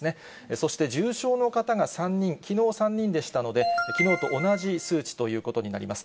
そして重症の方が３人、きのう３人でしたので、きのうと同じ数値ということになります。